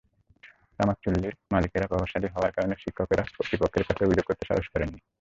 তামাকচুল্লির মালিকেরা প্রভাবশালী হওয়ার কারণে শিক্ষকেরা কর্তৃপক্ষের কাছে অভিযোগ করতে সাহস করেননি।